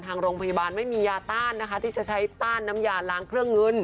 ทางโรงพยาบาลไม่มียาต้านนะคะที่จะใช้ต้านน้ำยาล้างเครื่องเงิน